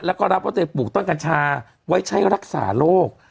แล้วก็รับว่าตัวเองปลูกต้นกัญชาไว้ใช้รักษาโรค